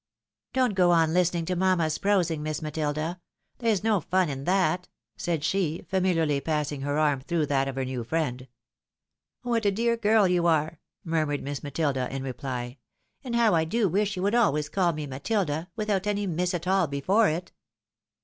" Don't go on listening to mamma's prosing. Miss Matilda; there's no fun in that," said she, familiarly passing her arm through that of her new friend. " What a dear girl you are," murmured Miss Matilda, in reply ;" and how I do wish you would always call me Matilda, without any Miss at all before it."